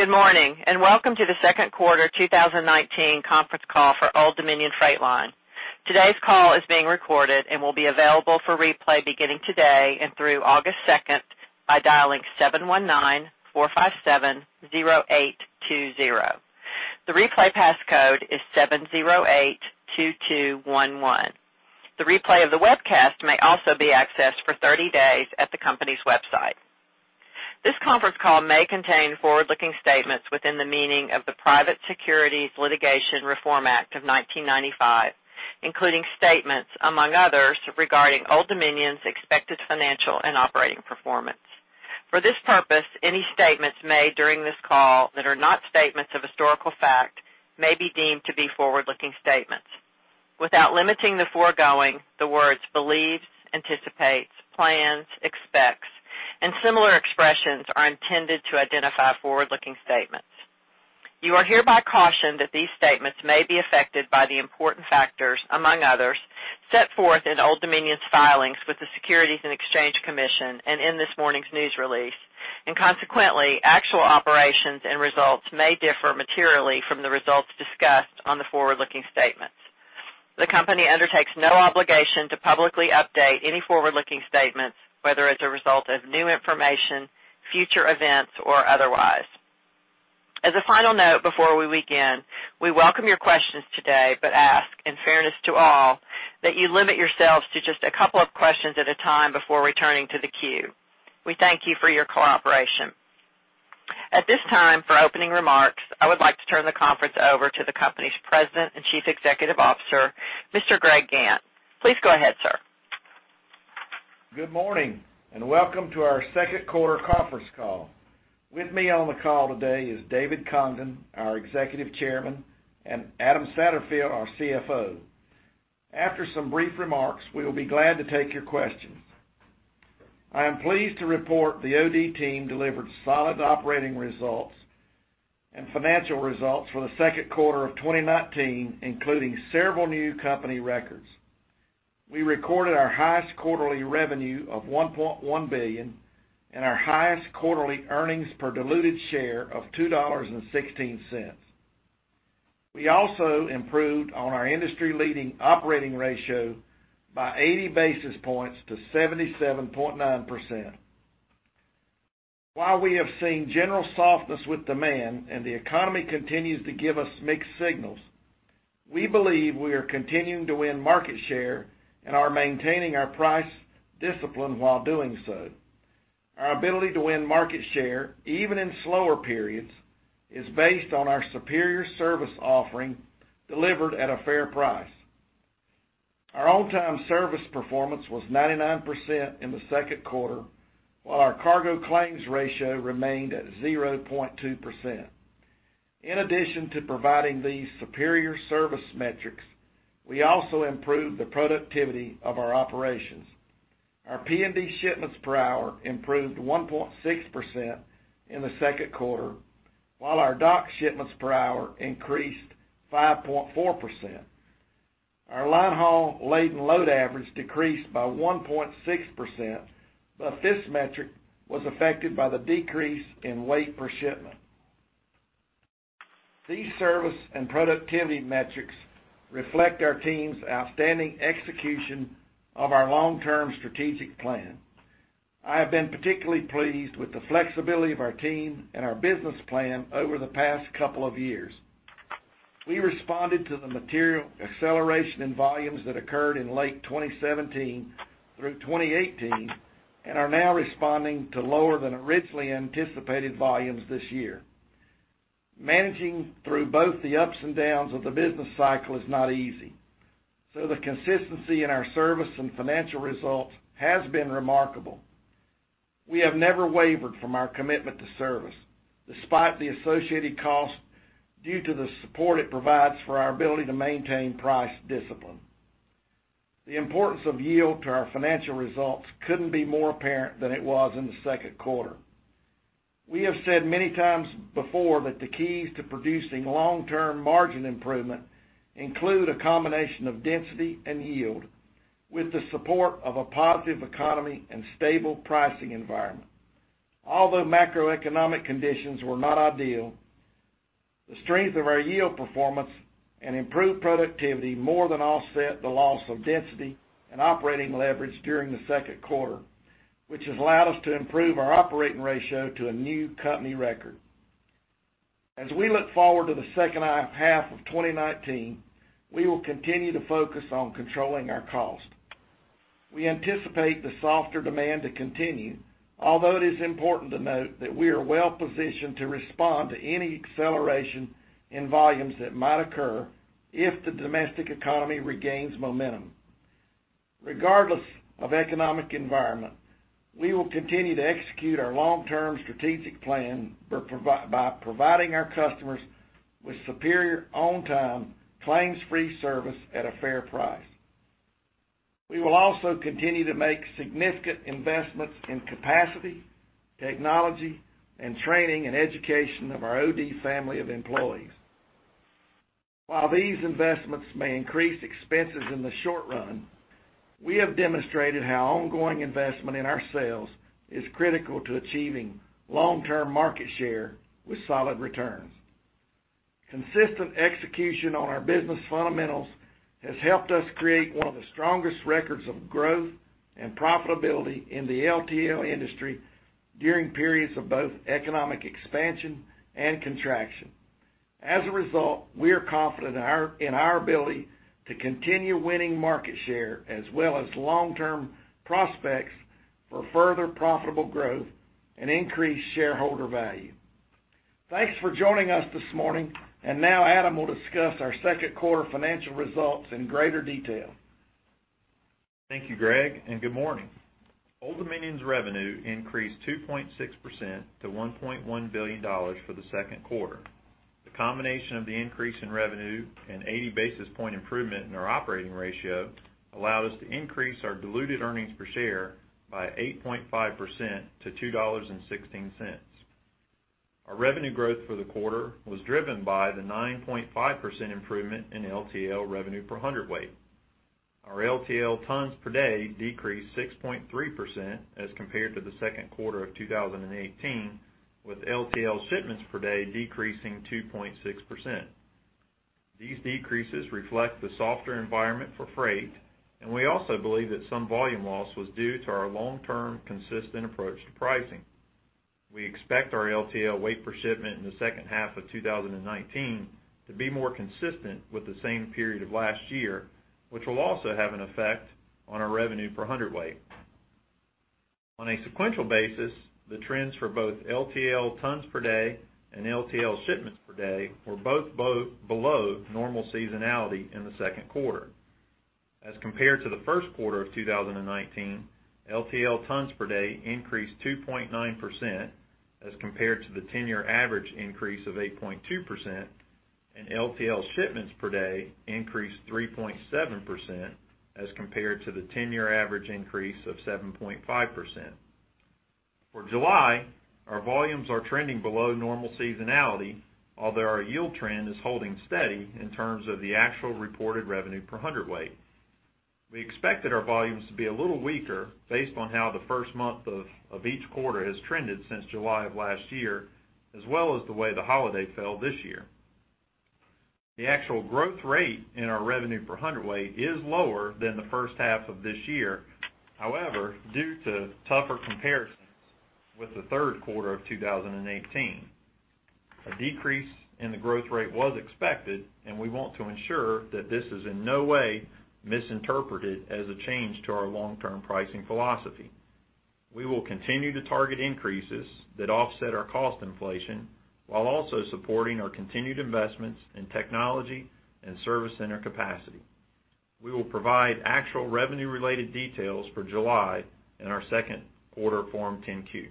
Good morning, and welcome to the second quarter 2019 conference call for Old Dominion Freight Line. Today's call is being recorded and will be available for replay beginning today and through August 2nd by dialing 719-457-0820. The replay passcode is 7082211. The replay of the webcast may also be accessed for 30 days at the company's website. This conference call may contain forward-looking statements within the meaning of the Private Securities Litigation Reform Act of 1995, including statements, among others, regarding Old Dominion's expected financial and operating performance. For this purpose, any statements made during this call that are not statements of historical fact may be deemed to be forward-looking statements. Without limiting the foregoing, the words believes, anticipates, plans, expects, and similar expressions are intended to identify forward-looking statements. You are hereby cautioned that these statements may be affected by the important factors, among others, set forth in Old Dominion's filings with the Securities and Exchange Commission and in this morning's news release. Consequently, actual operations and results may differ materially from the results discussed on the forward-looking statements. The company undertakes no obligation to publicly update any forward-looking statements, whether as a result of new information, future events, or otherwise. As a final note before we begin, we welcome your questions today, but ask, in fairness to all, that you limit yourselves to just a couple of questions at a time before returning to the queue. We thank you for your cooperation. At this time, for opening remarks, I would like to turn the conference over to the company's President and Chief Executive Officer, Mr. Greg Gantt. Please go ahead, sir. Good morning, and welcome to our second quarter conference call. With me on the call today is David Congdon, our Executive Chairman, and Adam Satterfield, our CFO. After some brief remarks, we will be glad to take your questions. I am pleased to report the OD team delivered solid operating results and financial results for the second quarter of 2019, including several new company records. We recorded our highest quarterly revenue of $1.1 billion and our highest quarterly earnings per diluted share of $2.16. We also improved on our industry-leading operating ratio by 80 basis points to 77.9%. While we have seen general softness with demand and the economy continues to give us mixed signals, we believe we are continuing to win market share and are maintaining our price discipline while doing so. Our ability to win market share, even in slower periods, is based on our superior service offering delivered at a fair price. Our on-time service performance was 99% in the second quarter, while our cargo claims ratio remained at 0.2%. In addition to providing these superior service metrics, we also improved the productivity of our operations. Our P&D shipments per hour improved 1.6% in the second quarter, while our dock shipments per hour increased 5.4%. Our line haul laden load average decreased by 1.6%, but this metric was affected by the decrease in weight per shipment. These service and productivity metrics reflect our team's outstanding execution of our long-term strategic plan. I have been particularly pleased with the flexibility of our team and our business plan over the past couple of years. We responded to the material acceleration in volumes that occurred in late 2017 through 2018 and are now responding to lower than originally anticipated volumes this year. Managing through both the ups and downs of the business cycle is not easy, so the consistency in our service and financial results has been remarkable. We have never wavered from our commitment to service, despite the associated cost due to the support it provides for our ability to maintain price discipline. The importance of yield to our financial results couldn't be more apparent than it was in the second quarter. We have said many times before that the keys to producing long-term margin improvement include a combination of density and yield with the support of a positive economy and stable pricing environment. Although macroeconomic conditions were not ideal, the strength of our yield performance and improved productivity more than offset the loss of density and operating leverage during the second quarter, which has allowed us to improve our operating ratio to a new company record. As we look forward to the second half of 2019, we will continue to focus on controlling our cost. We anticipate the softer demand to continue, although it is important to note that we are well positioned to respond to any acceleration in volumes that might occur if the domestic economy regains momentum. Regardless of economic environment, we will continue to execute our long-term strategic plan by providing our customers with superior on-time, claims-free service at a fair price. We will also continue to make significant investments in capacity, technology, and training and education of our OD family of employees. While these investments may increase expenses in the short run, we have demonstrated how ongoing investment in our sales is critical to achieving long-term market share with solid returns. Consistent execution on our business fundamentals has helped us create one of the strongest records of growth and profitability in the LTL industry during periods of both economic expansion and contraction. As a result, we are confident in our ability to continue winning market share as well as long-term prospects for further profitable growth and increased shareholder value. Thanks for joining us this morning, now Adam will discuss our second quarter financial results in greater detail. Thank you, Greg, and good morning. Old Dominion's revenue increased 2.6% to $1.1 billion for the second quarter. The combination of the increase in revenue and 80 basis point improvement in our operating ratio allowed us to increase our diluted earnings per share by 8.5% to $2.16. Our revenue growth for the quarter was driven by the 9.5% improvement in LTL revenue per hundred weight. Our LTL tons per day decreased 6.3% as compared to the second quarter of 2018, with LTL shipments per day decreasing 2.6%. These decreases reflect the softer environment for freight, and we also believe that some volume loss was due to our long-term consistent approach to pricing. We expect our LTL weight per shipment in the second half of 2019 to be more consistent with the same period of last year, which will also have an effect on our revenue per hundred weight. On a sequential basis, the trends for both LTL tons per day and LTL shipments per day were both below normal seasonality in the second quarter. As compared to the first quarter of 2019, LTL tons per day increased 2.9% as compared to the 10-year average increase of 8.2%, and LTL shipments per day increased 3.7% as compared to the 10-year average increase of 7.5%. For July, our volumes are trending below normal seasonality, although our yield trend is holding steady in terms of the actual reported revenue per hundred weight. We expected our volumes to be a little weaker based on how the first month of each quarter has trended since July of last year, as well as the way the holiday fell this year. The actual growth rate in our revenue per hundred weight is lower than the first half of this year. Due to tougher comparisons with the third quarter of 2018, a decrease in the growth rate was expected, and we want to ensure that this is in no way misinterpreted as a change to our long-term pricing philosophy. We will continue to target increases that offset our cost inflation while also supporting our continued investments in technology and service center capacity. We will provide actual revenue-related details for July in our second quarter Form 10-Q.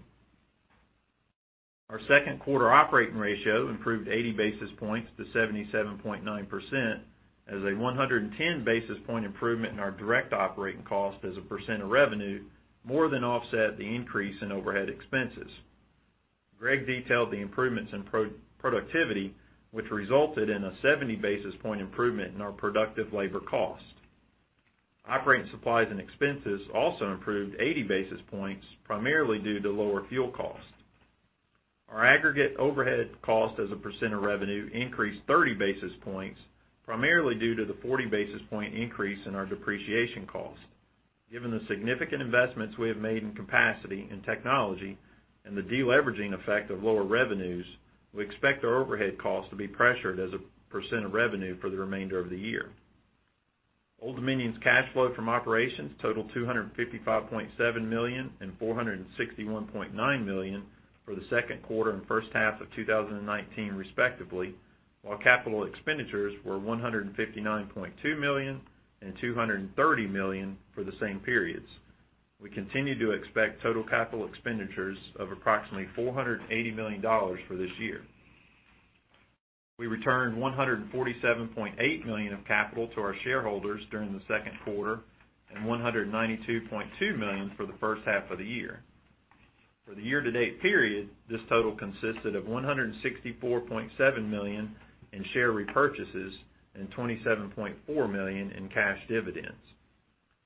Our second quarter operating ratio improved 80 basis points to 77.9% as a 110 basis point improvement in our direct operating cost as a percent of revenue more than offset the increase in overhead expenses. Greg detailed the improvements in productivity, which resulted in a 70 basis point improvement in our productive labor cost. Operating supplies and expenses also improved 80 basis points, primarily due to lower fuel cost. Our aggregate overhead cost as a percent of revenue increased 30 basis points, primarily due to the 40 basis point increase in our depreciation cost. Given the significant investments we have made in capacity and technology and the deleveraging effect of lower revenues, we expect our overhead costs to be pressured as a percent of revenue for the remainder of the year. Old Dominion's cash flow from operations totaled $255.7 million and $461.9 million for the second quarter and first half of 2019 respectively, while capital expenditures were $159.2 million and $230 million for the same periods. We continue to expect total capital expenditures of approximately $480 million for this year. We returned $147.8 million of capital to our shareholders during the second quarter and $192.2 million for the first half of the year. For the year-to-date period, this total consisted of $164.7 million in share repurchases and $27.4 million in cash dividends.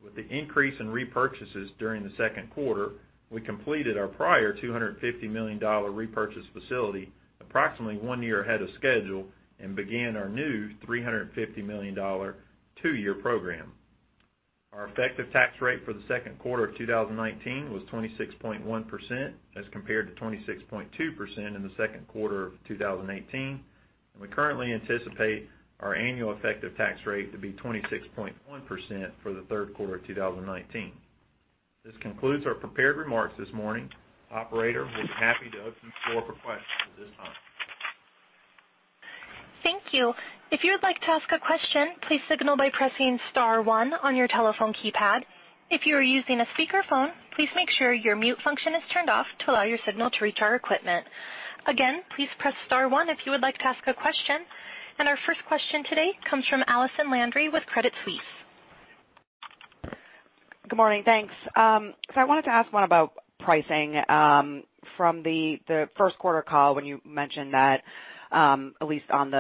With the increase in repurchases during the second quarter, we completed our prior $250 million repurchase facility approximately one year ahead of schedule and began our new $350 million 2-year program. Our effective tax rate for the second quarter of 2019 was 26.1% as compared to 26.2% in the second quarter of 2018, and we currently anticipate our annual effective tax rate to be 26.1% for the third quarter of 2019. This concludes our prepared remarks this morning. Operator, we're happy to open the floor for questions at this time. Thank you. If you would like to ask a question, please signal by pressing *1 on your telephone keypad. If you are using a speakerphone, please make sure your mute function is turned off to allow your signal to reach our equipment. Again, please press *1 if you would like to ask a question. Our first question today comes from Allison Landry with Credit Suisse. Good morning. Thanks. I wanted to ask one about pricing from the first quarter call when you mentioned that at least on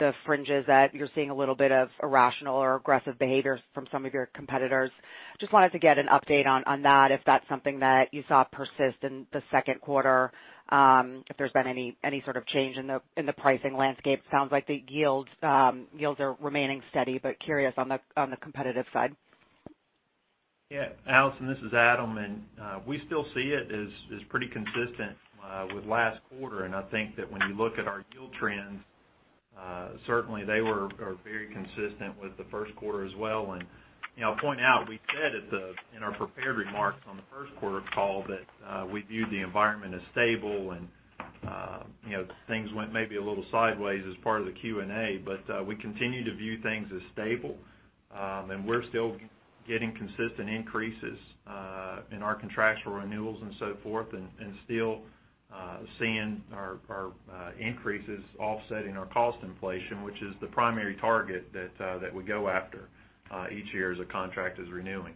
the fringes that you're seeing a little bit of irrational or aggressive behavior from some of your competitors. Just wanted to get an update on that, if that's something that you saw persist in the second quarter, if there's been any sort of change in the pricing landscape. Sounds like the yields are remaining steady, but curious on the competitive side. Yeah. Allison, this is Adam. We still see it as pretty consistent with last quarter. I think that when you look at our yield trends, certainly they were very consistent with the first quarter as well. I'll point out, we said in our prepared remarks on the first quarter call that we viewed the environment as stable and things went maybe a little sideways as part of the Q&A, but we continue to view things as stable. We're still getting consistent increases in our contractual renewals and so forth, still seeing our increases offsetting our cost inflation, which is the primary target that we go after each year as a contract is renewing.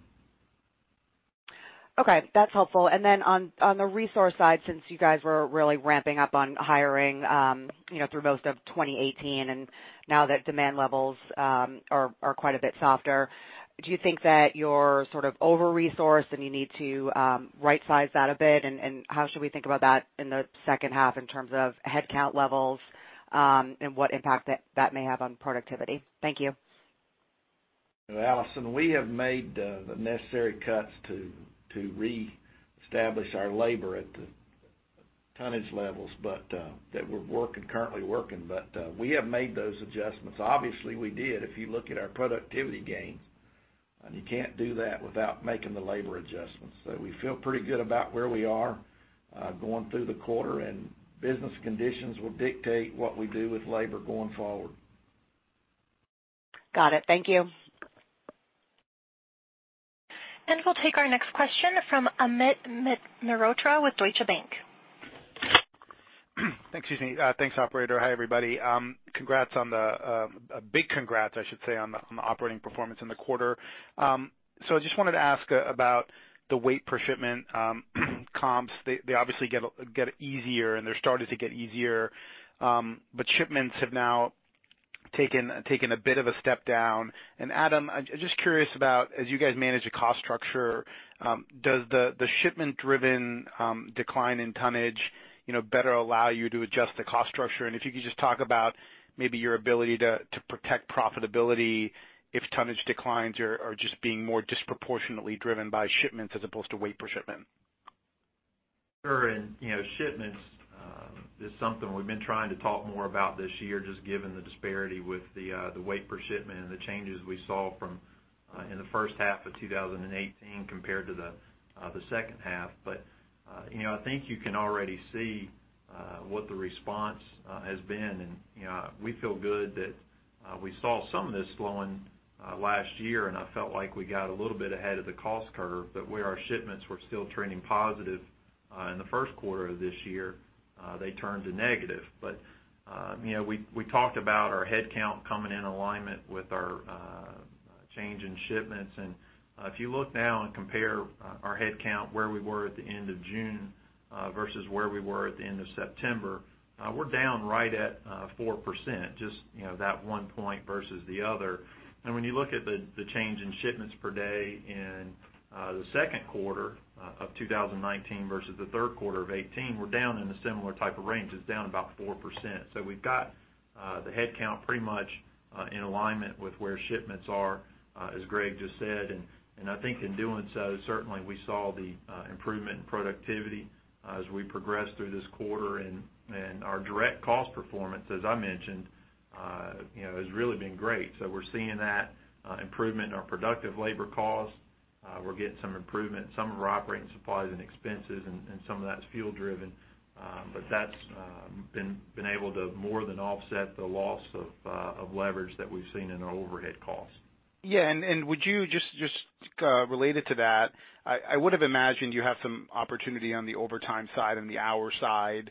Okay. That's helpful. On the resource side, since you guys were really ramping up on hiring through most of 2018 and now that demand levels are quite a bit softer, do you think that you're sort of over-resourced and you need to right-size that a bit? How should we think about that in the second half in terms of headcount levels, and what impact that may have on productivity? Thank you. Allison, we have made the necessary cuts to reestablish our labor at the tonnage levels that we're currently working. We have made those adjustments. Obviously, we did. If you look at our productivity gains, and you can't do that without making the labor adjustments. We feel pretty good about where we are going through the quarter, and business conditions will dictate what we do with labor going forward. Got it. Thank you. We'll take our next question from Amit Mehrotra with Deutsche Bank. Excuse me. Thanks, operator. Hi, everybody. A big congrats, I should say, on the operating performance in the quarter. I just wanted to ask about the weight per shipment comps. They obviously get easier and they're starting to get easier. Shipments have now taken a bit of a step down. Adam, I'm just curious about, as you guys manage the cost structure, does the shipment driven decline in tonnage better allow you to adjust the cost structure? If you could just talk about maybe your ability to protect profitability if tonnage declines or just being more disproportionately driven by shipments as opposed to weight per shipment. Sure. Shipments is something we've been trying to talk more about this year, just given the disparity with the weight per shipment and the changes we saw in the first half of 2018 compared to the second half. I think you can already see what the response has been, and we feel good that we saw some of this slowing last year, and I felt like we got a little bit ahead of the cost curve, but where our shipments were still trending positive in the first quarter of this year, they turned to negative. We talked about our headcount coming in alignment with our change in shipments. If you look now and compare our headcount where we were at the end of June versus where we were at the end of September, we're down right at 4%, just that one point versus the other. When you look at the change in shipments per day in the second quarter of 2019 versus the third quarter of 2018, we're down in a similar type of range. It's down about 4%. We've got the headcount pretty much in alignment with where shipments are, as Greg just said. I think in doing so, certainly we saw the improvement in productivity as we progressed through this quarter. Our direct cost performance, as I mentioned, has really been great. We're seeing that improvement in our productive labor cost. We're getting some improvement in some of our operating supplies and expenses, and some of that's fuel driven. That's been able to more than offset the loss of leverage that we've seen in our overhead costs. Yeah. Would you just related to that, I would have imagined you have some opportunity on the overtime side and the hour side.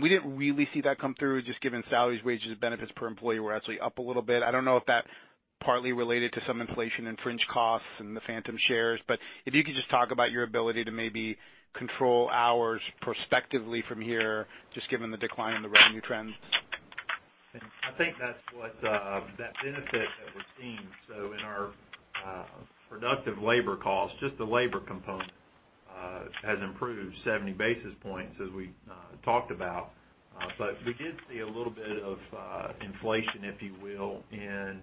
We didn't really see that come through, just given salaries, wages, benefits per employee were actually up a little bit. I don't know if that partly related to some inflation in fringe costs and the phantom shares. If you could just talk about your ability to maybe control hours prospectively from here, just given the decline in the revenue trends. I think that's what that benefit that we're seeing. In our productive labor cost, just the labor component has improved 70 basis points as we talked about. We did see a little bit of inflation, if you will, in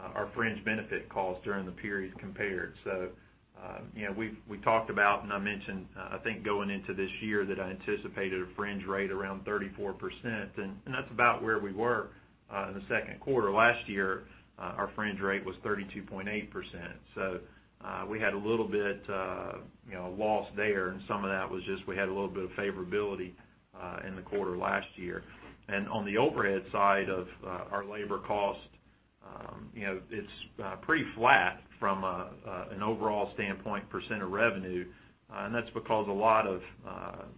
our fringe benefit cost during the period compared. We talked about, and I mentioned, I think going into this year that I anticipated a fringe rate around 34%, and that's about where we were in the second quarter. Last year, our fringe rate was 32.8%. We had a little bit loss there, and some of that was just we had a little bit of favorability in the quarter last year. On the overhead side of our labor cost, it's pretty flat from an overall standpoint percent of revenue. That's because a lot of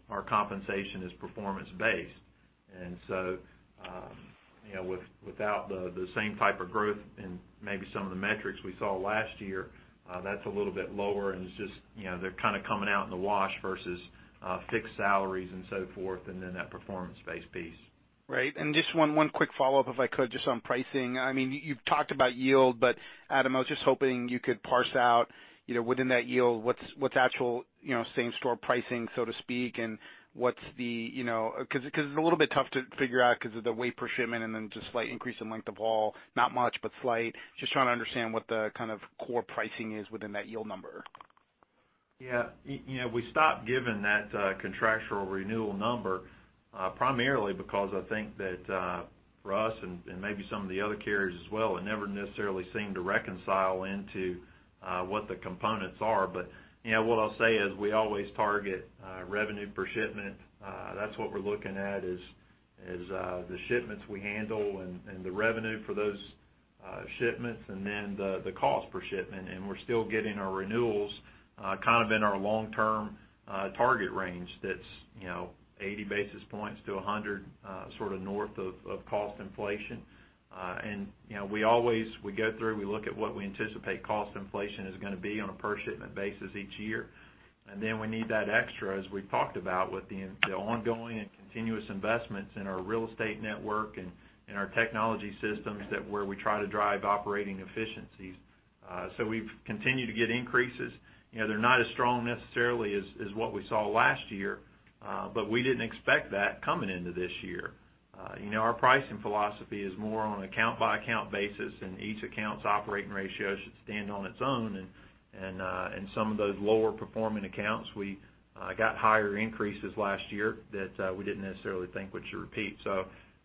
our compensation is performance-based. Without the same type of growth and maybe some of the metrics we saw last year, that's a little bit lower, and they're coming out in the wash versus fixed salaries and so forth, and then that performance-based piece. Right. Just one quick follow-up, if I could, just on pricing. You've talked about yield, but Adam, I was just hoping you could parse out within that yield what's actual same store pricing, so to speak, because it's a little bit tough to figure out because of the weight per shipment and then just slight increase in length of haul, not much, but slight. Just trying to understand what the core pricing is within that yield number. We stopped giving that contractual renewal number, primarily because I think that for us and maybe some of the other carriers as well, it never necessarily seemed to reconcile into what the components are. What I'll say is we always target revenue per shipment. That's what we're looking at is, the shipments we handle and the revenue for those shipments and then the cost per shipment. We're still getting our renewals in our long-term target range that's 80 basis points to 100 north of cost inflation. We always go through, we look at what we anticipate cost inflation is going to be on a per shipment basis each year. Then we need that extra, as we've talked about, with the ongoing and continuous investments in our real estate network and in our technology systems that where we try to drive operating efficiencies. We've continued to get increases. They're not as strong necessarily as what we saw last year. We didn't expect that coming into this year. Our pricing philosophy is more on an account-by-account basis, and each account's operating ratio should stand on its own. Some of those lower performing accounts, we got higher increases last year that we didn't necessarily think would repeat.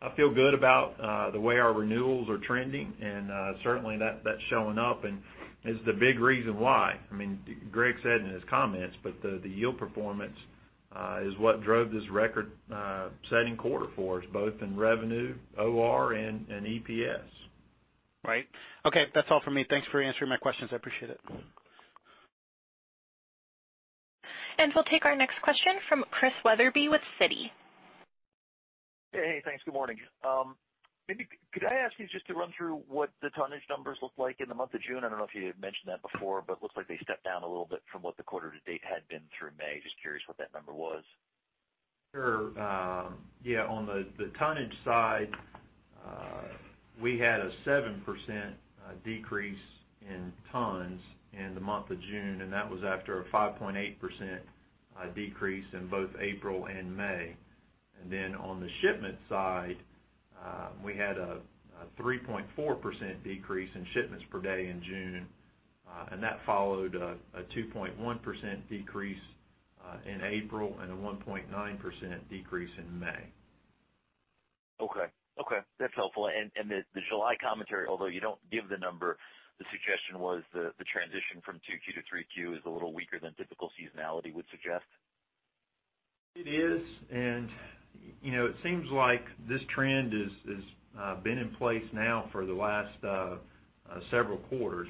I feel good about the way our renewals are trending, and certainly that's showing up and is the big reason why. Greg said in his comments, but the yield performance is what drove this record-setting quarter for us, both in revenue, OR, and EPS. Right. Okay, that's all for me. Thanks for answering my questions. I appreciate it. We'll take our next question from Chris Wetherbee with Citi. Hey. Thanks. Good morning. Could I ask you just to run through what the tonnage numbers look like in the month of June? I don't know if you had mentioned that before, but it looks like they stepped down a little bit from what the quarter to date had been through May. Just curious what that number was. Sure. Yeah, on the tonnage side, we had a 7% decrease in tons in the month of June, that was after a 5.8% decrease in both April and May. On the shipment side, we had a 3.4% decrease in shipments per day in June. That followed a 2.1% decrease in April and a 1.9% decrease in May. Okay. That's helpful. The July commentary, although you don't give the number, the suggestion was the transition from two Q to three Q is a little weaker than typical seasonality would suggest? It is, and it seems like this trend has been in place now for the last several quarters.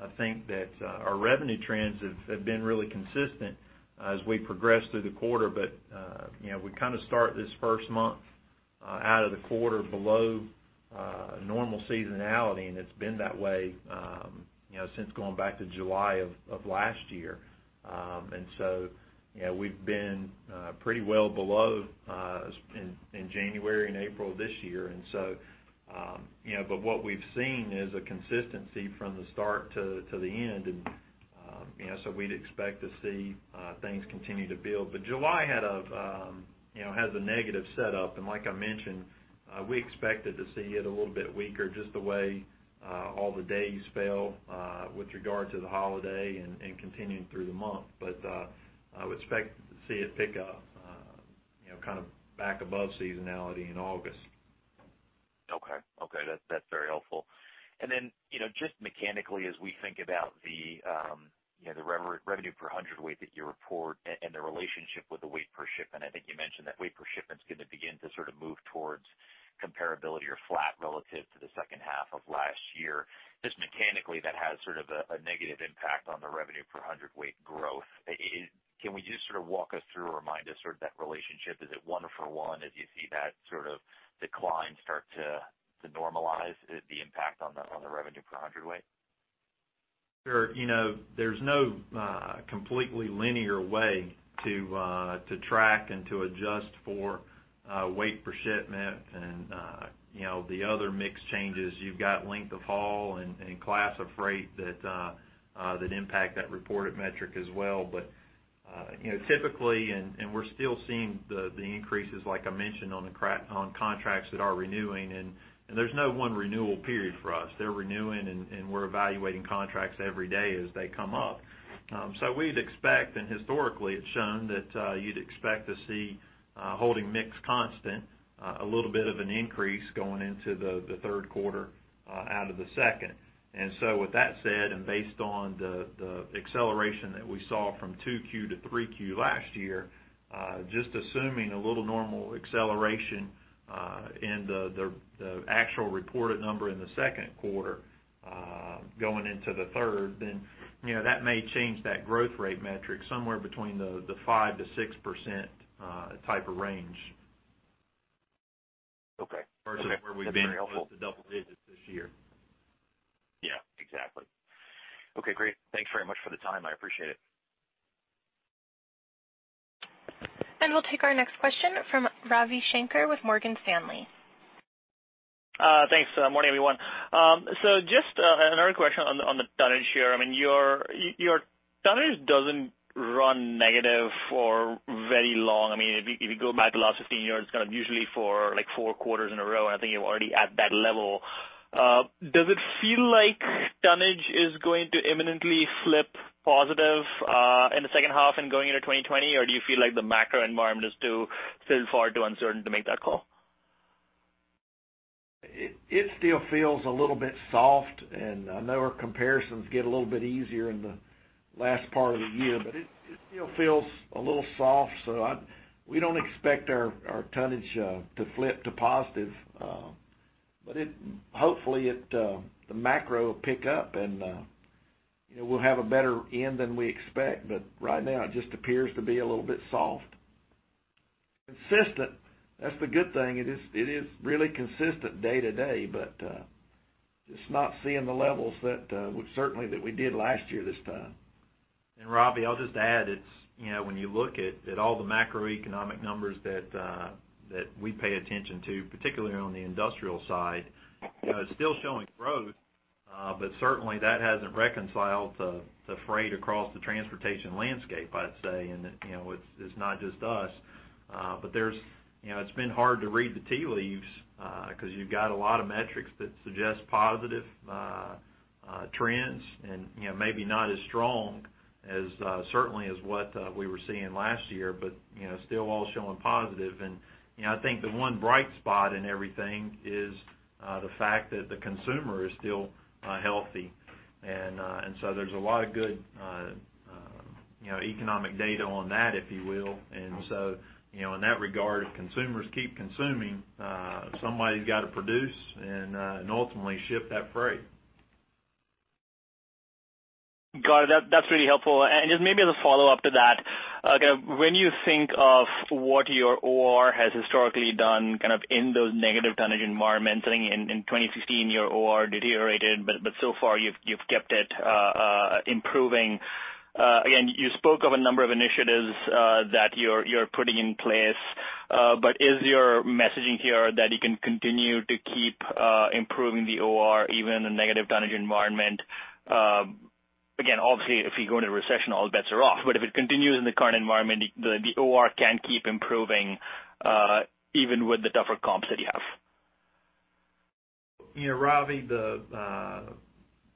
I think that our revenue trends have been really consistent as we progress through the quarter. We start this first month out of the quarter below normal seasonality, and it's been that way since going back to July of last year. So we've been pretty well below in January and April this year. What we've seen is a consistency from the start to the end, and so we'd expect to see things continue to build. July has a negative setup, and like I mentioned, we expected to see it a little bit weaker just the way all the days fell with regard to the holiday and continuing through the month. I would expect to see it pick up back above seasonality in August. Okay. That's very helpful. Just mechanically, as we think about the revenue per 100 weight that you report and the relationship with the weight per shipment, I think you mentioned that weight per shipment is going to begin to move towards comparability or flat relative to the second half of last year. Just mechanically, that has a negative impact on the revenue per 100 weight growth. Can we just walk us through or remind us that relationship? Is it one for one as you see that decline start to normalize the impact on the revenue per 100 weight? There's no completely linear way to track and to adjust for weight per shipment and the other mix changes. You've got length of haul and class of freight that impact that reported metric as well. Typically, and we're still seeing the increases, like I mentioned, on contracts that are renewing, and there's no one renewal period for us. They're renewing and we're evaluating contracts every day as they come up. We'd expect, and historically it's shown that you'd expect to see holding mix constant a little bit of an increase going into the third quarter out of the second. With that said, and based on the acceleration that we saw from 2Q to 3Q last year, just assuming a little normal acceleration in the actual reported number in the second quarter-Going into the third, then that may change that growth rate metric somewhere between the 5%-6% type of range. Okay. As far as where we've been. That's very helpful. with the double digits this year. Yeah, exactly. Okay, great. Thanks very much for the time. I appreciate it. We'll take our next question from Ravi Shanker with Morgan Stanley. Thanks. Morning, everyone. Just another question on the tonnage here. Your tonnage doesn't run negative for very long. If you go back the last 15 years, it's usually for four quarters in a row, and I think you're already at that level. Does it feel like tonnage is going to imminently flip positive in the second half and going into 2020, or do you feel like the macro environment is still far too uncertain to make that call? It still feels a little bit soft, and I know our comparisons get a little bit easier in the last part of the year. It still feels a little soft, so we don't expect our tonnage to flip to positive. Hopefully, the macro will pick up, and we'll have a better end than we expect. Right now, it just appears to be a little bit soft. Consistent. That's the good thing. It is really consistent day to day, but just not seeing the levels certainly that we did last year this time. Ravi, I'll just add, when you look at all the macroeconomic numbers that we pay attention to, particularly on the industrial side, still showing growth. Certainly, that hasn't reconciled the freight across the transportation landscape, I'd say. It's not just us. It's been hard to read the tea leaves, because you've got a lot of metrics that suggest positive trends and maybe not as strong certainly as what we were seeing last year, but still all showing positive. I think the one bright spot in everything is the fact that the consumer is still healthy. So there's a lot of good economic data on that, if you will. So, in that regard, if consumers keep consuming, somebody's got to produce and ultimately ship that freight. Got it. That's really helpful. Just maybe as a follow-up to that, when you think of what your OR has historically done in those negative tonnage environments, I think in 2016, your OR deteriorated, but so far, you've kept it improving. Again, you spoke of a number of initiatives that you're putting in place. Is your messaging here that you can continue to keep improving the OR even in a negative tonnage environment? Again, obviously, if you go into a recession, all bets are off. If it continues in the current environment, the OR can keep improving, even with the tougher comps that you have. Ravi,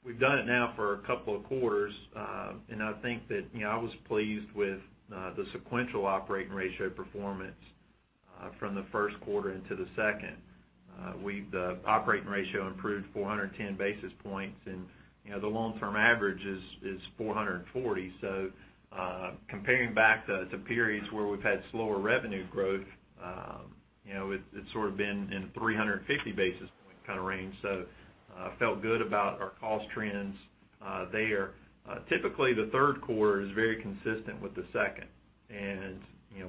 we've done it now for a couple of quarters. I think that I was pleased with the sequential operating ratio performance from the first quarter into the second. The operating ratio improved 410 basis points, and the long-term average is 440. Comparing back to periods where we've had slower revenue growth, it's sort of been in the 350 basis point kind of range. I felt good about our cost trends there. Typically, the third quarter is very consistent with the second.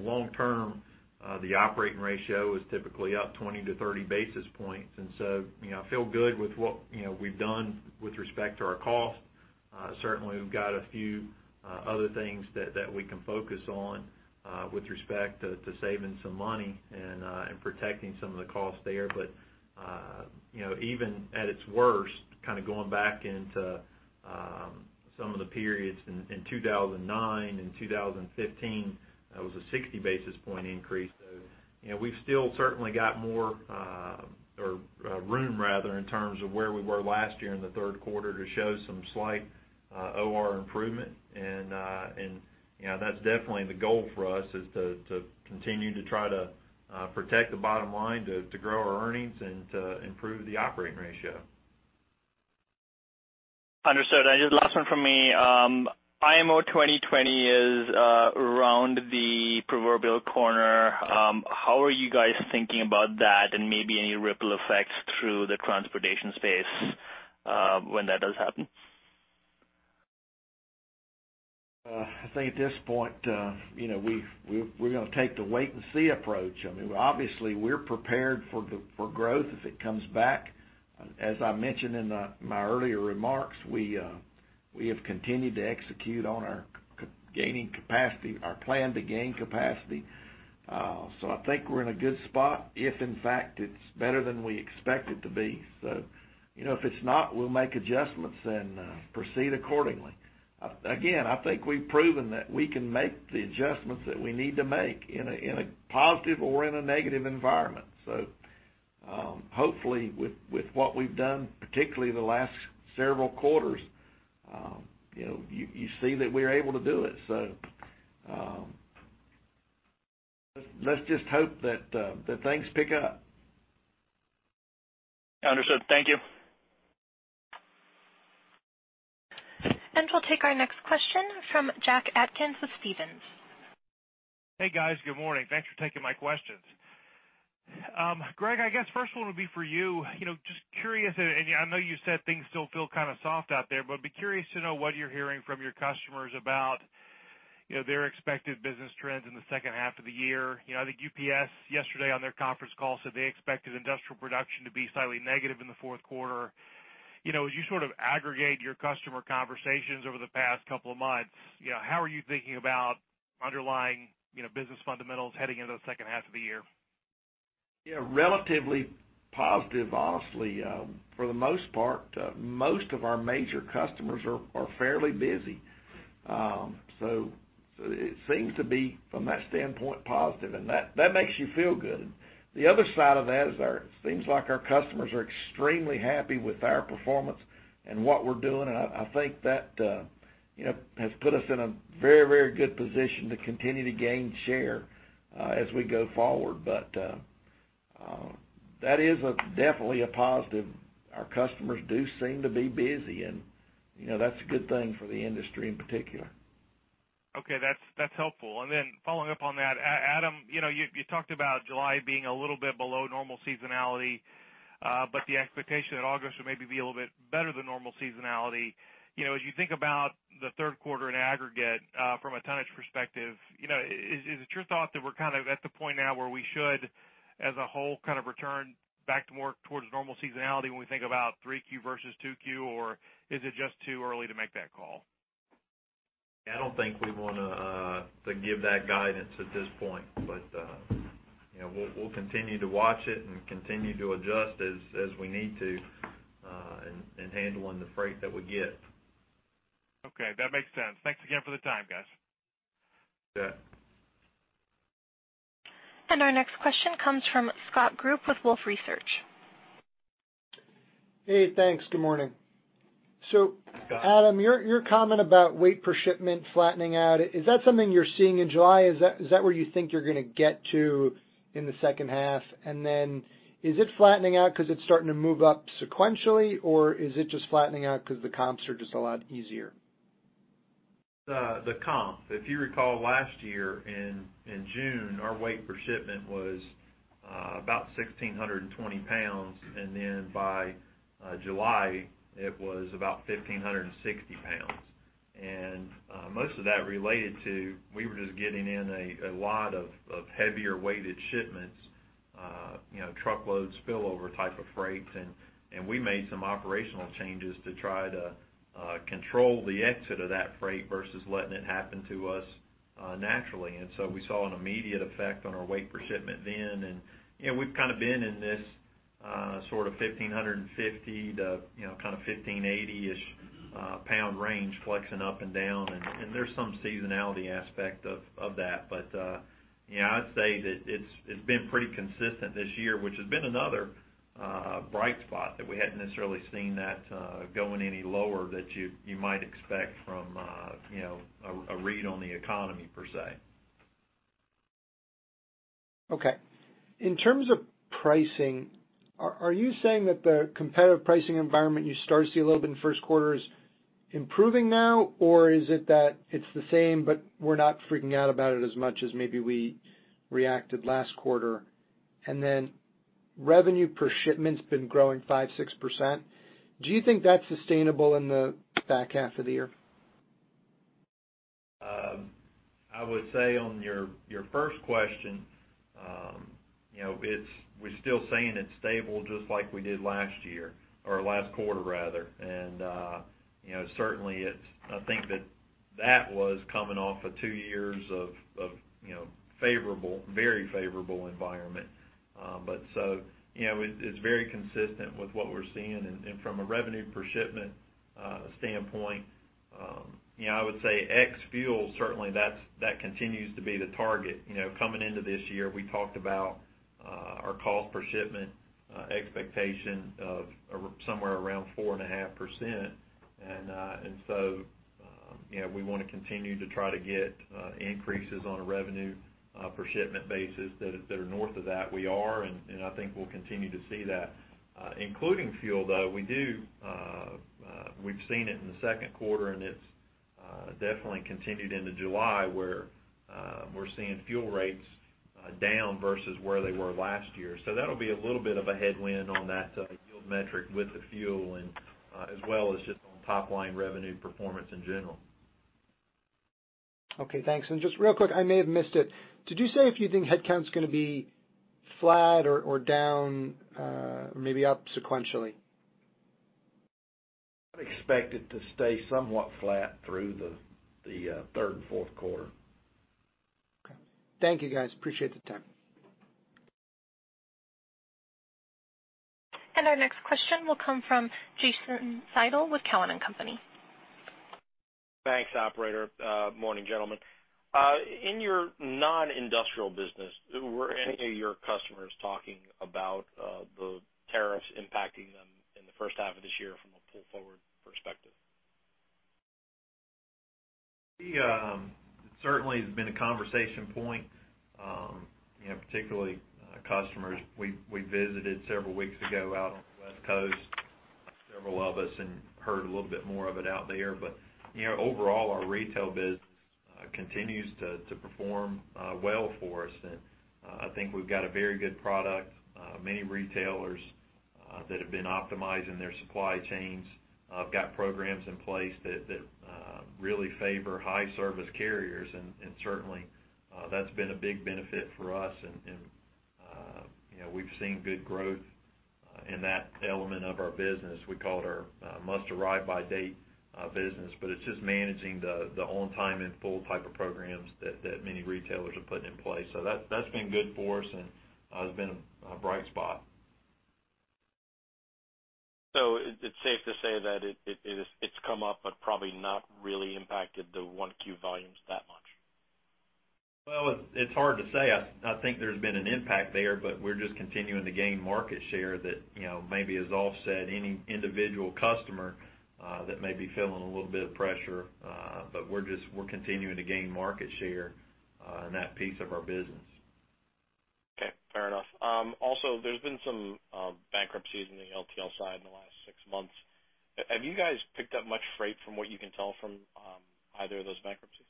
Long term, the operating ratio is typically up 20 to 30 basis points. I feel good with what we've done with respect to our cost. Certainly, we've got a few other things that we can focus on with respect to saving some money and protecting some of the costs there. Even at its worst, going back into some of the periods in 2009 and 2015, that was a 60 basis point increase. We've still certainly got more or room rather, in terms of where we were last year in the third quarter to show some slight OR improvement. That's definitely the goal for us, is to continue to try to protect the bottom line, to grow our earnings, and to improve the operating ratio. Understood. Just last one from me. IMO 2020 is around the proverbial corner. How are you guys thinking about that and maybe any ripple effects through the transportation space when that does happen? I think at this point, we're going to take the wait and see approach. Obviously, we're prepared for growth if it comes back. As I mentioned in my earlier remarks, we have continued to execute on our gaining capacity, our plan to gain capacity. I think we're in a good spot if, in fact, it's better than we expect it to be. If it's not, we'll make adjustments and proceed accordingly. Again, I think we've proven that we can make the adjustments that we need to make in a positive or in a negative environment. Hopefully, with what we've done, particularly the last several quarters, you see that we're able to do it. Let's just hope that things pick up. Understood. Thank you. We'll take our next question from Jack Atkins with Stephens. Hey, guys. Good morning. Thanks for taking my questions. Greg, I guess first one would be for you. Just curious, and I know you said things still feel soft out there, but I'd be curious to know what you're hearing from your customers about their expected business trends in the second half of the year. I think UPS yesterday on their conference call said they expected industrial production to be slightly negative in the fourth quarter. As you aggregate your customer conversations over the past couple of months, how are you thinking about underlying business fundamentals heading into the second half of the year? Relatively positive, honestly. For the most part, most of our major customers are fairly busy. It seems to be, from that standpoint, positive, and that makes you feel good. The other side of that is it seems like our customers are extremely happy with our performance and what we're doing, and I think that has put us in a very good position to continue to gain share as we go forward. That is definitely a positive. Our customers do seem to be busy, and that's a good thing for the industry in particular. Okay. That's helpful. Following up on that, Adam, you talked about July being a little bit below normal seasonality, but the expectation that August would maybe be a little bit better than normal seasonality. You think about the third quarter in aggregate from a tonnage perspective, is it your thought that we're at the point now where we should, as a whole, return back more towards normal seasonality when we think about 3Q versus 2Q, or is it just too early to make that call? I don't think we want to give that guidance at this point. We'll continue to watch it and continue to adjust as we need to in handling the freight that we get. Okay, that makes sense. Thanks again for the time, guys. You bet. Our next question comes from Scott Group with Wolfe Research. Hey, thanks. Good morning. Scott. Adam, your comment about weight per shipment flattening out, is that something you're seeing in July? Is that where you think you're going to get to in the second half? Is it flattening out because it's starting to move up sequentially, or is it just flattening out because the comps are just a lot easier? The comp. If you recall last year in June, our weight per shipment was about 1,620 pounds, and then by July, it was about 1,560 pounds. Most of that related to we were just getting in a lot of heavier weighted shipments, truckloads, spillover type of freights, and we made some operational changes to try to control the exit of that freight versus letting it happen to us naturally. We saw an immediate effect on our weight per shipment then. We've been in this sort of 1,550 to 1,580-ish pound range flexing up and down, and there's some seasonality aspect of that. I'd say that it's been pretty consistent this year, which has been another bright spot that we hadn't necessarily seen that going any lower that you might expect from a read on the economy per se. In terms of pricing, are you saying that the competitive pricing environment you started to see a little bit in the first quarter is improving now, or is it that it's the same but we're not freaking out about it as much as maybe we reacted last quarter? Then revenue per shipment's been growing 5%, 6%. Do you think that's sustainable in the back half of the year? I would say on your first question, we're still saying it's stable just like we did last year, or last quarter rather. Certainly, I think that was coming off of two years of very favorable environment. It's very consistent with what we're seeing. From a revenue per shipment standpoint, I would say ex fuel, certainly that continues to be the target. Coming into this year, we talked about our cost per shipment expectation of somewhere around 4.5%. We want to continue to try to get increases on a revenue per shipment basis that are north of that. We are, and I think we'll continue to see that. Including fuel, though, we've seen it in the second quarter, and it's definitely continued into July where we're seeing fuel rates down versus where they were last year. That'll be a little bit of a headwind on that yield metric with the fuel and as well as just on top line revenue performance in general. Okay, thanks. Just real quick, I may have missed it. Did you say if you think headcount's going to be flat or down or maybe up sequentially? I expect it to stay somewhat flat through the third and fourth quarter. Okay. Thank you, guys. Appreciate the time. Our next question will come from Jason Seidl with Cowen and Company. Thanks, operator. Morning, gentlemen. In your non-industrial business, were any of your customers talking about the tariffs impacting them in the first half of this year from a pull forward perspective? It certainly has been a conversation point, particularly customers we visited several weeks ago out on the West Coast, several of us, and heard a little bit more of it out there. Overall, our retail business continues to perform well for us, and I think we've got a very good product. Many retailers that have been optimizing their supply chains have got programs in place that really favor high-service carriers. Certainly, that's been a big benefit for us. We've seen good growth in that element of our business. We call it our must-arrive-by date business, but it's just managing the on-time and full type of programs that many retailers are putting in place. That's been good for us and has been a bright spot. It's safe to say that it's come up but probably not really impacted the 1Q volumes that much. Well, it's hard to say. I think there's been an impact there, but we're just continuing to gain market share that maybe has offset any individual customer that may be feeling a little bit of pressure. We're continuing to gain market share in that piece of our business. Okay. Fair enough. There's been some bankruptcies in the LTL side in the last six months. Have you guys picked up much freight from what you can tell from either of those bankruptcies?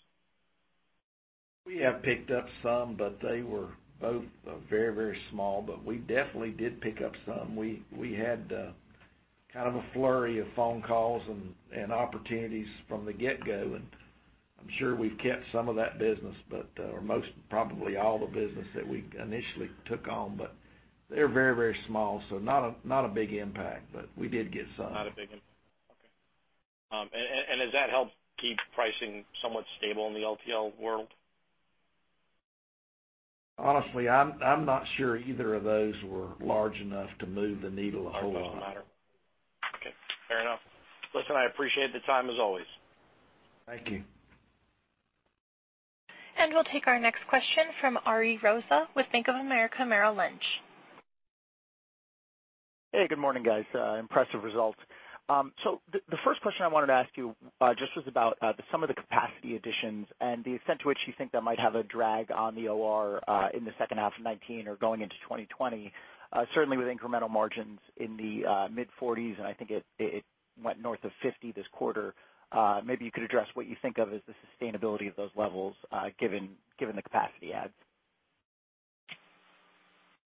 We have picked up some, but they were both very small. We definitely did pick up some. We had a flurry of phone calls and opportunities from the get-go, and I'm sure we've kept some of that business, but most, probably all the business that we initially took on. They're very small, so not a big impact, but we did get some. Not a big impact. Okay. Has that helped keep pricing somewhat stable in the LTL world? Honestly, I'm not sure either of those were large enough to move the needle a whole lot. Okay, fair enough. Listen, I appreciate the time, as always. Thank you. We'll take our next question from Ari Rosa with Bank of America Merrill Lynch. Hey, good morning, guys. Impressive results. The first question I wanted to ask you just was about some of the capacity additions and the extent to which you think that might have a drag on the OR in the second half of 2019 or going into 2020. Certainly, with incremental margins in the mid-40s, and I think it went north of 50 this quarter. Maybe you could address what you think of as the sustainability of those levels, given the capacity adds.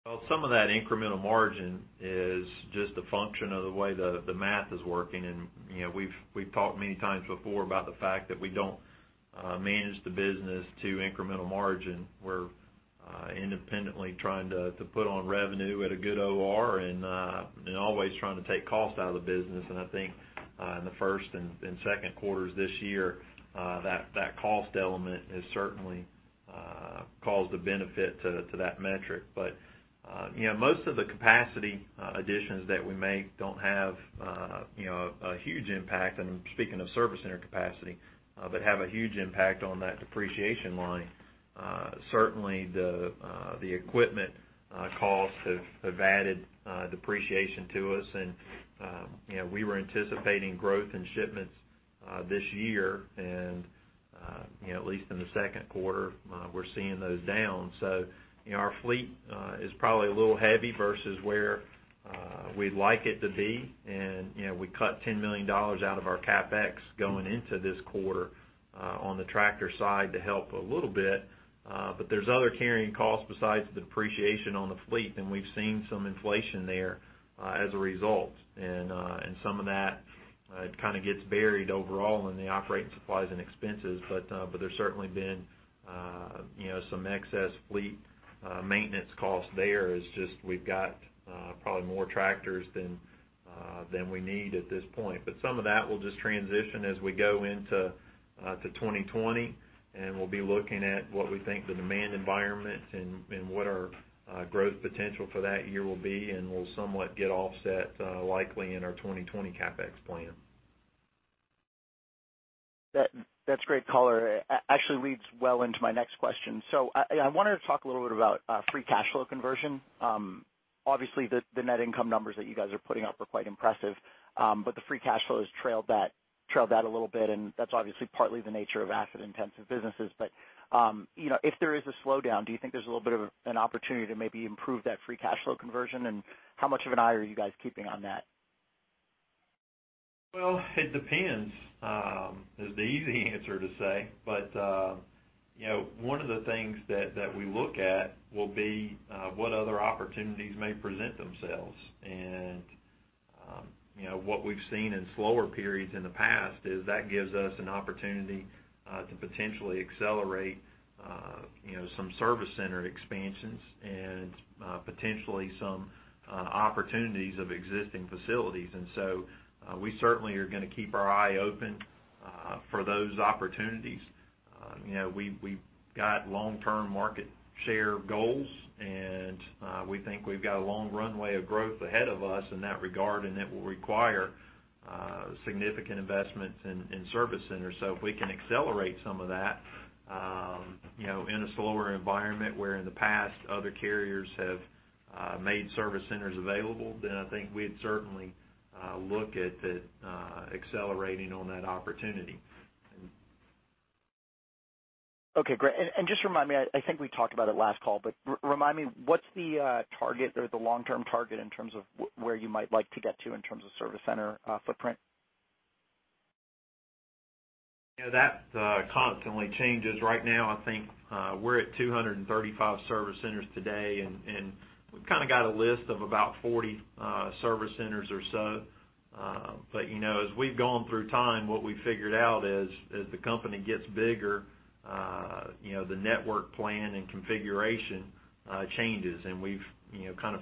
Well, some of that incremental margin is just a function of the way the math is working. We've talked many times before about the fact that we don't manage the business to incremental margin. We're independently trying to put on revenue at a good OR and always trying to take cost out of the business. I think in the first and second quarters this year, that cost element has certainly caused a benefit to that metric. Most of the capacity additions that we make don't have a huge impact, and I'm speaking of service center capacity, but have a huge impact on that depreciation line. Certainly, the equipment costs have added depreciation to us. We were anticipating growth in shipments this year and at least in the second quarter, we're seeing those down. Our fleet is probably a little heavy versus where we'd like it to be. We cut $10 million out of our CapEx going into this quarter on the tractor side to help a little bit. There's other carrying costs besides the depreciation on the fleet, and we've seen some inflation there as a result. Some of that gets buried overall in the operating supplies and expenses, but there's certainly been some excess fleet maintenance cost there. It's just we've got probably more tractors than we need at this point. Some of that will just transition as we go into 2020, and we'll be looking at what we think the demand environment and what our growth potential for that year will be, and we'll somewhat get offset likely in our 2020 CapEx plan. That's great color. Actually leads well into my next question. I wanted to talk a little bit about free cash flow conversion. Obviously, the net income numbers that you guys are putting up are quite impressive. But the free cash flow has trailed that a little bit, and that's obviously partly the nature of asset-intensive businesses. But if there is a slowdown, do you think there's a little bit of an opportunity to maybe improve that free cash flow conversion? And how much of an eye are you guys keeping on that? It depends. Is the easy answer to say. One of the things that we look at will be what other opportunities may present themselves. What we've seen in slower periods in the past is that gives us an opportunity to potentially accelerate some service center expansions and potentially some opportunities of existing facilities. We certainly are going to keep our eye open for those opportunities. We've got long-term market share goals, and we think we've got a long runway of growth ahead of us in that regard, and it will require significant investments in service centers. If we can accelerate some of that in a slower environment where in the past other carriers have made service centers available, I think we'd certainly look at accelerating on that opportunity. Okay, great. Just remind me, I think we talked about it last call, but remind me, what's the target or the long-term target in terms of where you might like to get to in terms of service center footprint? That constantly changes. Right now, I think we're at 235 service centers today, and we've got a list of about 40 service centers or so. As we've gone through time, what we figured out is as the company gets bigger, the network plan and configuration changes. We've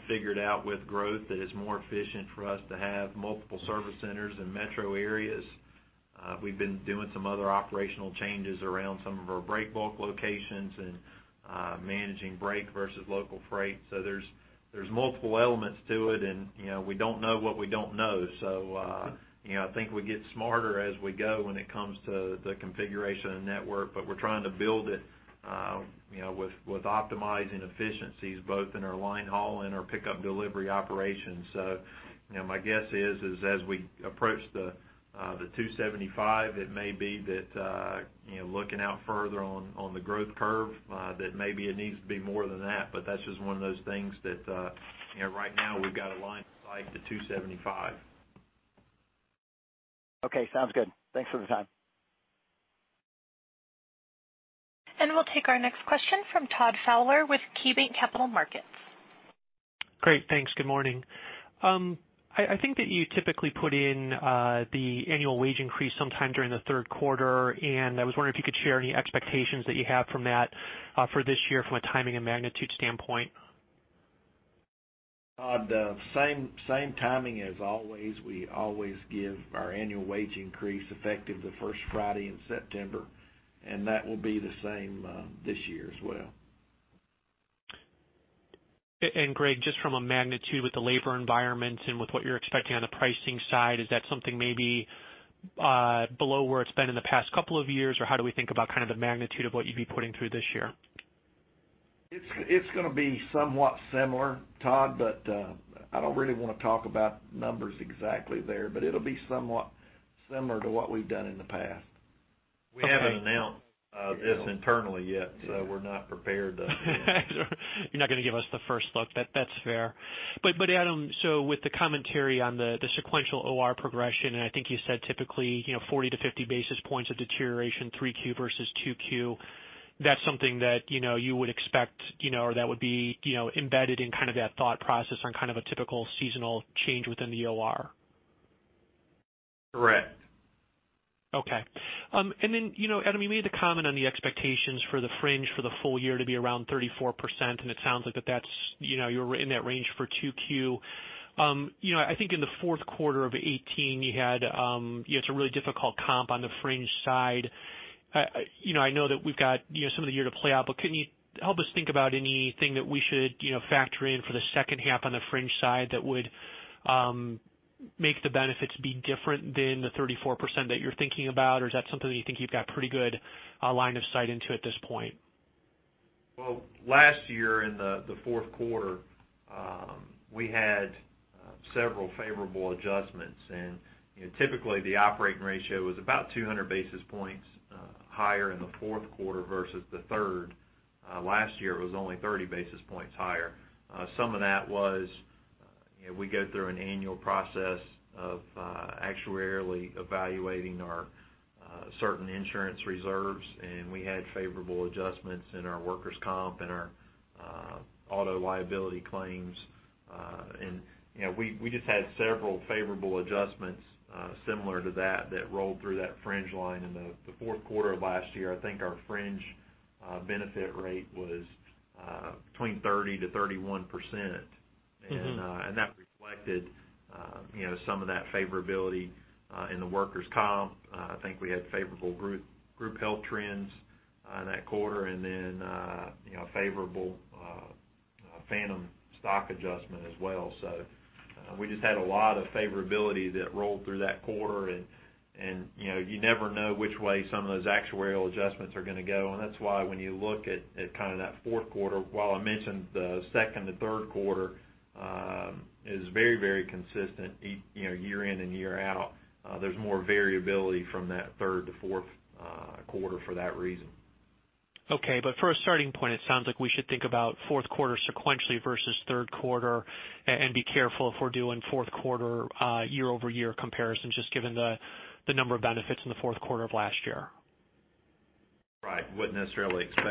figured out with growth that it's more efficient for us to have multiple service centers in metro areas. We've been doing some other operational changes around some of our break bulk locations and managing break versus local freight. There's multiple elements to it, and we don't know what we don't know. I think we get smarter as we go when it comes to the configuration of the network, but we're trying to build it with optimizing efficiencies both in our line haul and our pickup delivery operations. My guess is as we approach the 275, it may be that looking out further on the growth curve, that maybe it needs to be more than that. That's just one of those things that right now we've got a line of sight to 275. Okay, sounds good. Thanks for the time. We'll take our next question from Todd Fowler with KeyBanc Capital Markets. Great. Thanks. Good morning. I think that you typically put in the annual wage increase sometime during the third quarter. I was wondering if you could share any expectations that you have from that for this year from a timing and magnitude standpoint. Todd, same timing as always. We always give our annual wage increase effective the first Friday in September, and that will be the same this year as well. Greg, just from a magnitude with the labor environment and with what you're expecting on the pricing side, is that something maybe below where it's been in the past couple of years, or how do we think about the magnitude of what you'd be putting through this year? It's going to be somewhat similar, Todd, but I don't really want to talk about numbers exactly there. It'll be somewhat similar to what we've done in the past. We haven't announced this internally yet. We're not prepared to. You're not going to give us the first look. That's fair. Adam, with the commentary on the sequential OR progression, and I think you said typically 40 to 50 basis points of deterioration 3Q versus 2Q, that's something that you would expect or that would be embedded in that thought process on a typical seasonal change within the OR? Correct. Okay. Then Adam, you made the comment on the expectations for the fringe for the full year to be around 34%, and it sounds like you're in that range for 2Q. I think in the fourth quarter of 2018, you had a really difficult comp on the fringe side. I know that we've got some of the year to play out, but can you help us think about anything that we should factor in for the second half on the fringe side that would make the benefits be different than the 34% that you're thinking about, or is that something that you think you've got pretty good line of sight into at this point? Well, last year in the fourth quarter, we had several favorable adjustments, and typically the operating ratio was about 200 basis points higher in the fourth quarter versus the third. Last year, it was only 30 basis points higher. Some of that was we go through an annual process of actuarially evaluating our certain insurance reserves, and we had favorable adjustments in our workers comp and our auto liability claims. We just had several favorable adjustments similar to that that rolled through that fringe line in the fourth quarter of last year. I think our fringe benefit rate was between 30%-31%. That reflected some of that favorability in the workers comp. I think we had favorable group health trends in that quarter and then a favorable phantom stock adjustment as well. We just had a lot of favorability that rolled through that quarter, and you never know which way some of those actuarial adjustments are going to go. That's why when you look at that fourth quarter, while I mentioned the second to third quarter is very consistent year in and year out, there is more variability from that third to fourth quarter for that reason. Okay. For a starting point, it sounds like we should think about fourth quarter sequentially versus third quarter and be careful if we're doing fourth quarter year-over-year comparisons, just given the number of benefits in the fourth quarter of last year. Right. They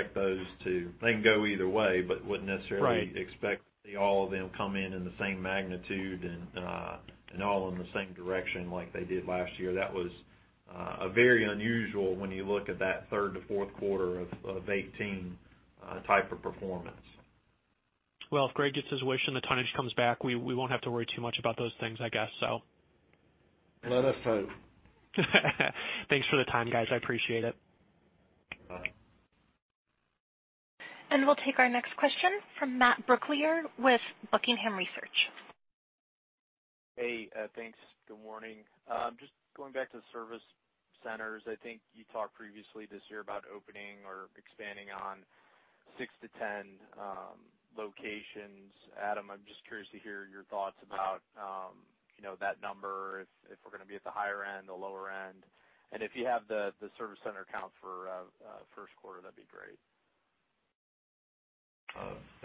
can go either way, but wouldn't necessarily expect all of them come in the same magnitude and all in the same direction like they did last year. That was very unusual when you look at that third to fourth quarter of 2018 type of performance. If Greg gets his wish and the tonnage comes back, we won't have to worry too much about those things, I guess so. Let us hope. Thanks for the time, guys. I appreciate it. Bye. We'll take our next question from Matt Brooklier with Buckingham Research. Hey, thanks. Good morning. Just going back to the service centers. I think you talked previously this year about opening or expanding on six to 10 locations. Adam, I'm just curious to hear your thoughts about that number, if we're going to be at the higher end, the lower end. If you have the service center count for first quarter, that'd be great.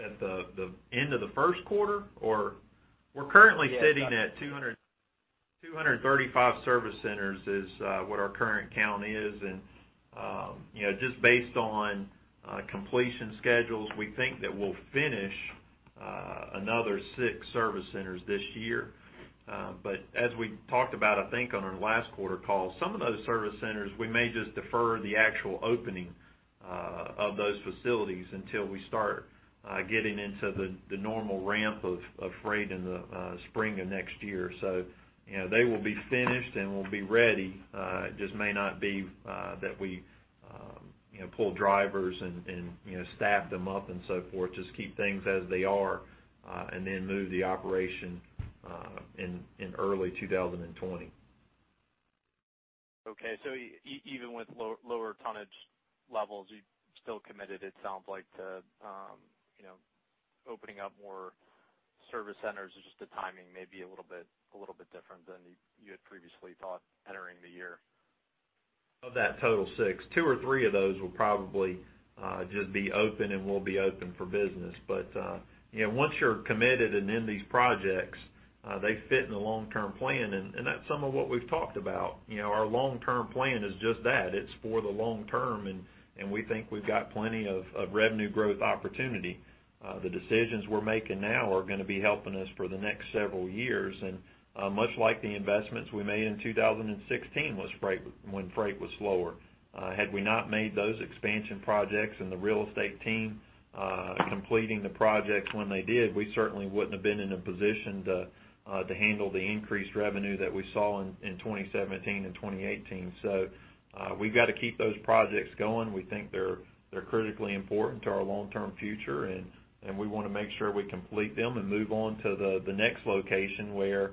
At the end of the first quarter, We're currently sitting at 235 service centers is what our current count is. Just based on completion schedules, we think that we'll finish another six service centers this year. As we talked about, I think, on our last quarter call, some of those service centers, we may just defer the actual opening of those facilities until we start getting into the normal ramp of freight in the spring of next year. They will be finished and will be ready, it just may not be that we pull drivers and staff them up and so forth, just keep things as they are, then move the operation in early 2020. Okay. Even with lower tonnage levels, you're still committed, it sounds like, to opening up more service centers. It's just the timing may be a little bit different than you had previously thought entering the year. Of that total 6, 2 or 3 of those will probably just be open and will be open for business. Once you're committed and in these projects, they fit in the long-term plan. That's some of what we've talked about. Our long-term plan is just that. It's for the long term, and we think we've got plenty of revenue growth opportunity. The decisions we're making now are going to be helping us for the next several years. Much like the investments we made in 2016 when freight was slower, had we not made those expansion projects and the real estate team completing the projects when they did, we certainly wouldn't have been in a position to handle the increased revenue that we saw in 2017 and 2018. We've got to keep those projects going. We think they're critically important to our long-term future, and we want to make sure we complete them and move on to the next location where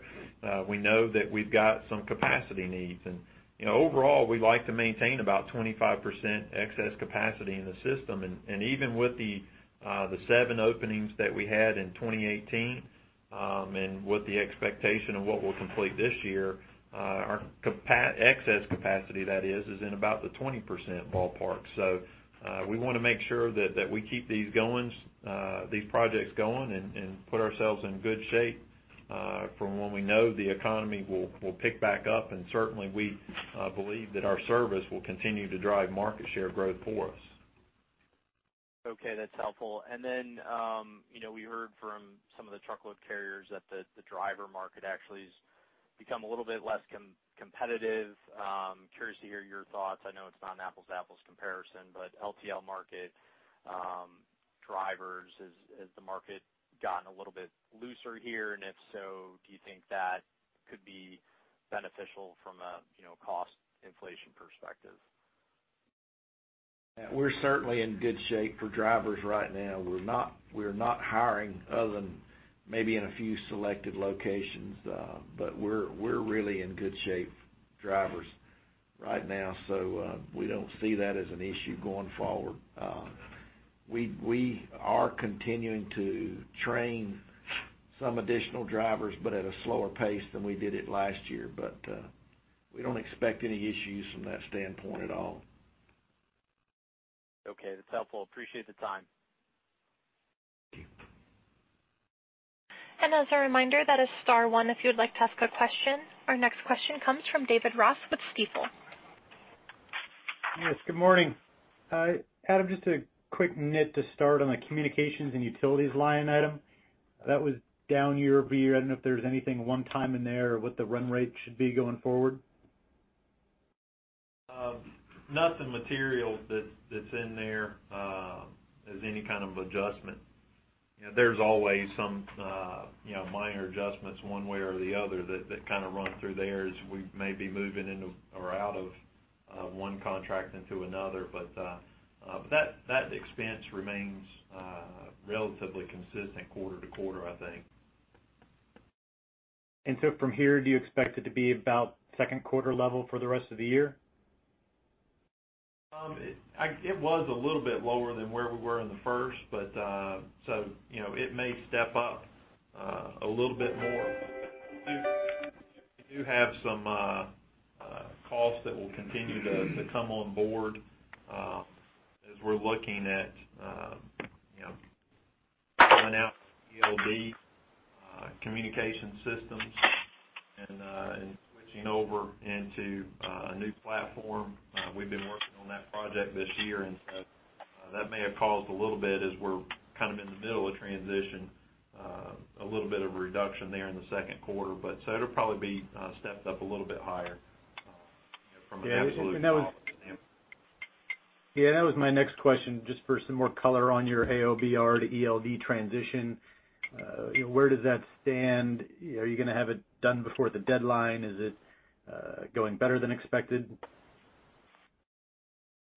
we know that we've got some capacity needs. Overall, we like to maintain about 25% excess capacity in the system. Even with the seven openings that we had in 2018, and with the expectation of what we'll complete this year, our excess capacity, that is in about the 20% ballpark. We want to make sure that we keep these projects going and put ourselves in good shape for when we know the economy will pick back up. Certainly, we believe that our service will continue to drive market share growth for us. Okay. That's helpful. We heard from some of the truckload carriers that the driver market actually has become a little bit less competitive. Curious to hear your thoughts. I know it's not an apples-to-apples comparison, LTL market drivers, has the market gotten a little bit looser here? If so, do you think that could be beneficial from a cost inflation perspective? We're certainly in good shape for drivers right now. We're not hiring other than maybe in a few selected locations. We're really in good shape drivers right now. We don't see that as an issue going forward. We are continuing to train some additional drivers, but at a slower pace than we did it last year. We don't expect any issues from that standpoint at all. Okay. That's helpful. Appreciate the time. Thank you. As a reminder, that is star one if you would like to ask a question. Our next question comes from David Ross with Stifel. Yes, good morning. Adam, just a quick nit to start on the communications and utilities line item. That was down year-over-year. I don't know if there's anything one time in there or what the run rate should be going forward. Nothing material that's in there as any kind of adjustment. There's always some minor adjustments one way or the other that kind of run through there as we may be moving into or out of one contract into another. That expense remains relatively consistent quarter to quarter, I think. From here, do you expect it to be about second quarter level for the rest of the year? It was a little bit lower than where we were in the first, so it may step up a little bit more. We do have some costs that will continue to come on board as we're looking at filling out ELD communication systems and switching over into a new platform. We've been working on that project this year, and so that may have caused a little bit, as we're in the middle of transition, a little bit of a reduction there in the second quarter. It'll probably be stepped up a little bit higher from an absolute dollar standpoint. Yeah, that was my next question. Just for some more color on your AOBRD to ELD transition, where does that stand? Are you going to have it done before the deadline? Is it going better than expected?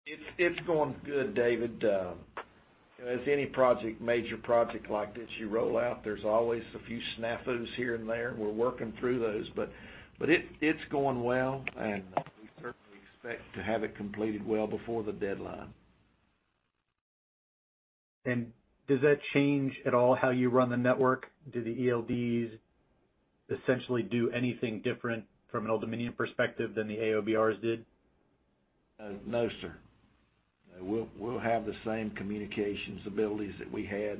It's going good, David. As any major project like this you roll out, there's always a few snafus here and there. We're working through those. It's going well, and we certainly expect to have it completed well before the deadline. Does that change at all how you run the network? Do the ELDs essentially do anything different from an Old Dominion perspective than the AOBRDs did? No, sir. We'll have the same communications abilities that we had,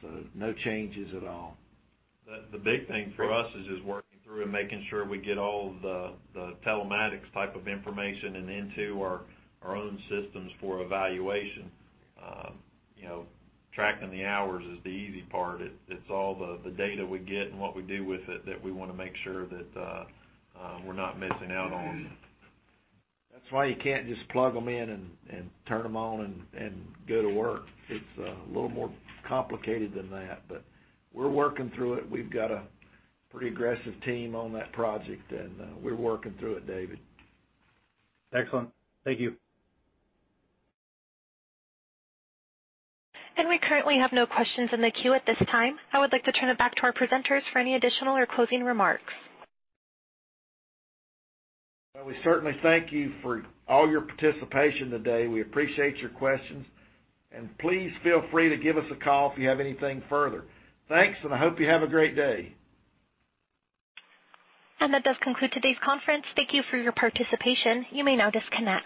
so no changes at all. The big thing for us is just working through and making sure we get all of the telematics type of information and into our own systems for evaluation. Tracking the hours is the easy part. It's all the data we get and what we do with it that we want to make sure that we're not missing out on. That's why you can't just plug them in and turn them on and go to work. It's a little more complicated than that. We're working through it. We've got a pretty aggressive team on that project, and we're working through it, David. Excellent. Thank you. We currently have no questions in the queue at this time. I would like to turn it back to our presenters for any additional or closing remarks. Well, we certainly thank you for all your participation today. We appreciate your questions. Please feel free to give us a call if you have anything further. Thanks. I hope you have a great day. That does conclude today's conference. Thank you for your participation. You may now disconnect.